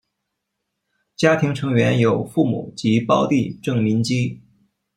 家庭成员有父母及胞弟郑民基。